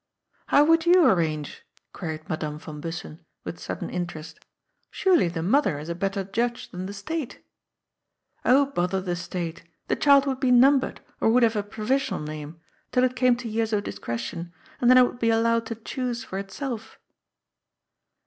"How would you arrange?" queried Madame van Bus sen, with sudden interest " Surely the mother is a better judge than the State." *' Oh, bother the State ! The child would be numbered, or would have a provisional name, till it came to years of discretion, and then it would be allowed to choose for itself."